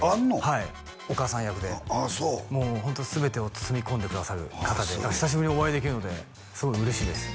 はいお母さん役でもうホント全てを包み込んでくださる方で久しぶりにお会いできるのですごい嬉しいです